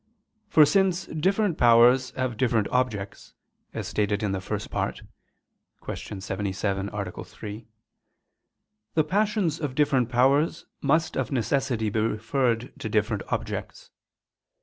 For since different powers have different objects, as stated in the First Part (Q. 77, A. 3), the passions of different powers must of necessity be referred to different objects.